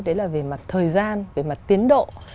đấy là về mặt thời gian về mặt tiến độ